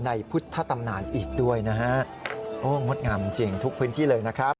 ในพุทธตำนานอีกด้วยนะฮะโอ้งดงามจริงทุกพื้นที่เลยนะครับ